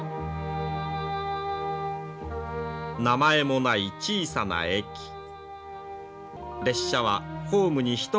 名前もない小さな駅全長